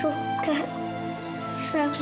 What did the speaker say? terima kasih nek